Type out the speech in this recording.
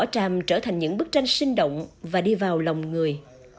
nói về tràm tràm trở thành những bức tranh sinh động và đi vào lòng người